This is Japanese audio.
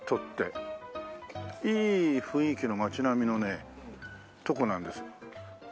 いい雰囲気の街並みのねとこなんです。